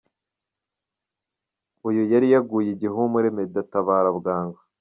Uyu yari yaguye igihumure Meddy atabara bwangu!.